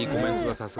さすが。